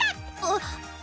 あっ。